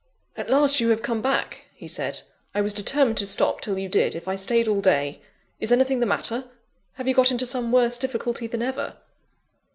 "At last you have come back!" he said; "I was determined to stop till you did, if I stayed all day. Is anything the matter? Have you got into some worse difficulty than ever?"